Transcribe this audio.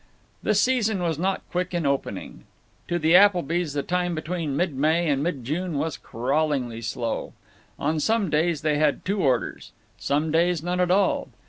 The season was not quick in opening. To the Applebys the time between mid May and mid June was crawlingly slow. On some days they had two orders; some days, none at all.